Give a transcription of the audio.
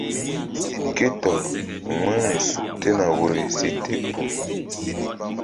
Ké tɔr wu̧yri suk tena woyri si te kpuh.